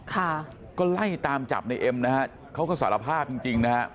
ค่ะก็ไล่ตามจับในเอ็มนะฮะเขาก็สารภาพจริงจริงนะฮะ